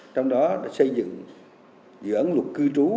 trong đó xây dựng dự án luật cư trú